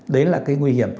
đấy là cái nguy hiểm